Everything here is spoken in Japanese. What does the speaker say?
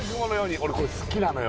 俺これ好きなのよ